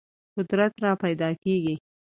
قدرت راپیدا کېږي.